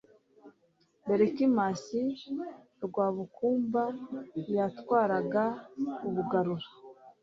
berkimansi rwabukamba yatwaraga ubugarura